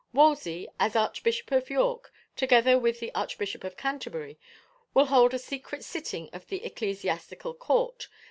Wolsey, as Archbishop of York, together with the Archbishop of Canterbury, will hold a secret sitting of the ecclesiastical court.